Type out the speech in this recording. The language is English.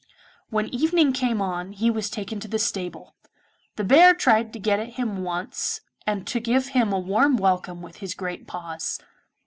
When evening came on he was taken to the stable. The bear tried to get at him at once and to give him a warm welcome with his great paws.